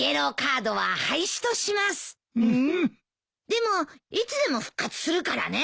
でもいつでも復活するからね。